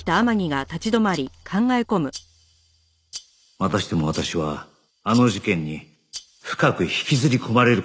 またしても私はあの事件に深く引きずり込まれる事になる